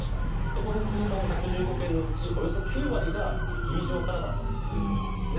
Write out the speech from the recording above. この通報１１５件のうちおよそ９割がスキー場からだったということです。